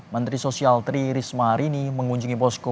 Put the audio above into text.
menteri sosial tri risma harini mengunjungi posko